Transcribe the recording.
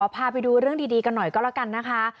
พาไปดูเรื่องดีกันหน่อยก็แล้วกันนะคะ